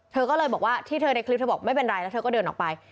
เธอก็เลยบอกว่าที่เธอในคลิปเธอบอกไม่เป็นไรแล้วเธอก็เดินออกไป